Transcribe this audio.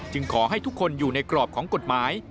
ขอให้ทุกคนอยู่ในกรอบของกฎหมาย